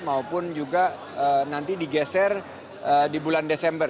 maupun juga nanti digeser di bulan desember